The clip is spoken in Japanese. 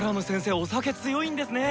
お酒強いんですね。